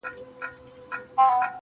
والله ه چي په تا پسي مي سترگي وځي,